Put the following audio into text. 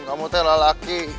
kamu telah laki